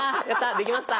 できました！